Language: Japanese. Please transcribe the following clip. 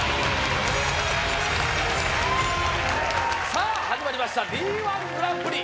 さぁ始まりましたＤ−１グランプリ！